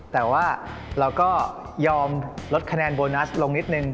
แต่ว่าเราก็ยอมลดคะแนนโบนัสลงนิดนึง